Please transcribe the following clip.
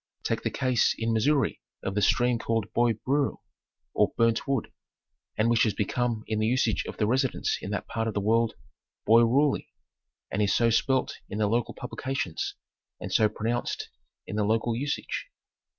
Take the case in Missouri of the stream called Bois Brule, or burnt wood, and which has be come in the usage of the residents in that part of the world Bob Ruly, and is so spelled in the local publications, and so pronounced in the local usage. Geographic Nomenclature.